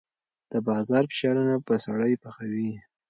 د بازار فشارونه به سړی پخوي.